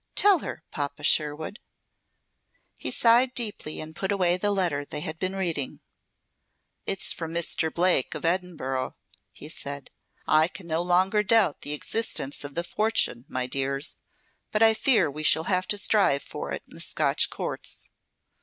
"Tell her, Papa Sherwood." He sighed deeply and put away the letter they had been reading. "It's from Mr. Blake, of Edinburgh," he said. "I can no longer doubt the existence of the fortune, my dears. But I fear we shall have to strive for it in the Scotch courts."